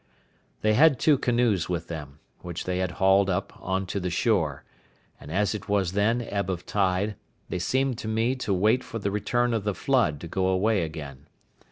They had two canoes with them, which they had hauled up upon the shore; and as it was then ebb of tide, they seemed to me to wait for the return of the flood to go away again.